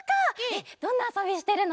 えっどんなあそびしてるの？